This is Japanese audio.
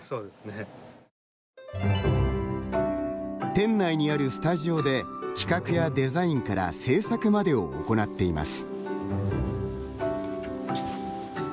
店内にあるスタジオで企画やデザインから製作までを行っています。